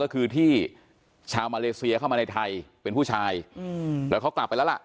ก็คือที่ชาวมาเลเซียเข้ามาในไทยเป็นผู้ชายแล้วเขากลับไปแล้วล่ะ